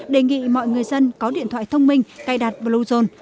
đề nghị mọi người dân có điện thoại thông minh cài đặt bluezone